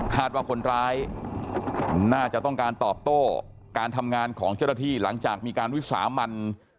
ว่าคนร้ายน่าจะต้องการตอบโต้การทำงานของเจ้าหน้าที่หลังจากมีการวิสามัน